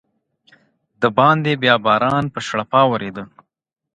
دباندې بیا باران په شړپا ورېده.